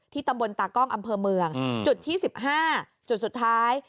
ตำบลตากล้องอำเภอเมืองจุดที่๑๕จุดสุดท้าย